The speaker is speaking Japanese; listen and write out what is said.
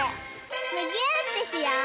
むぎゅーってしよう！